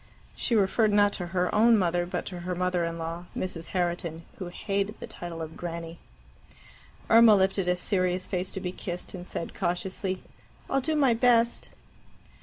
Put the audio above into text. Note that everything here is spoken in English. She referred not to her own mother, but to her mother in law, Mrs. Herriton, who hated the title of Granny. Irma lifted a serious face to be kissed, and said cautiously, "I'll do my best."